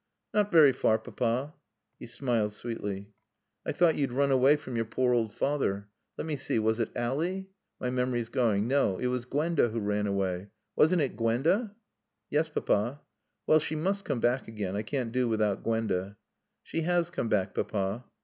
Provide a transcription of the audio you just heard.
"Not very far, Papa." He smiled sweetly. "I thought you'd run away from your poor old father. Let me see was it Ally? My memory's going. No. It was Gwenda who ran away. Wasn't it Gwenda?" "Yes, Papa." "Well she must come back again. I can't do without Gwenda." "She has come back, Papa."